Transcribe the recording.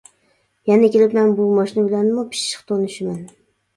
يەنە كېلىپ مەن بۇ ماشىنا بىلەنمۇ پىششىق تونۇشىمەن.